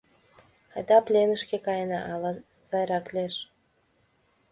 Айда пленышке каена, ала сайрак лиеш.